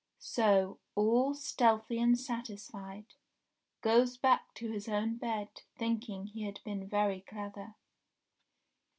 So, all stealthy and satisfied, goes back to his own bed, thinking he had been very clever.